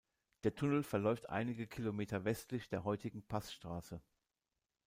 Der Tunnel verläuft einige Kilometer westlich der heutigen Passstraße.